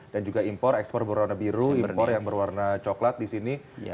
dan juga ekspor berwarna biru ekspor yang berwarna coklat di sini